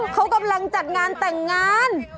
เขากำลังจัดงานแต่งงาน